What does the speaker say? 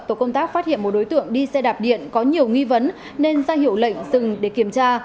tổ công tác phát hiện một đối tượng đi xe đạp điện có nhiều nghi vấn nên ra hiệu lệnh dừng để kiểm tra